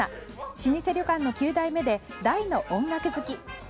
老舗旅館の９代目で、大の音楽好き。